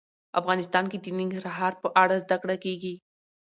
افغانستان کې د ننګرهار په اړه زده کړه کېږي.